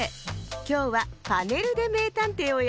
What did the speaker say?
きょうは「パネルでめいたんてい」をやるわよ。